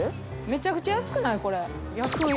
めちゃくちゃ安くない？